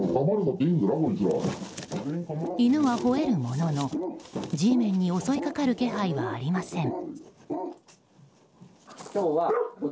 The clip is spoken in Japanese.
犬は吠えるもののＧメンに襲いかかる気配はありません。